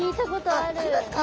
ありますか？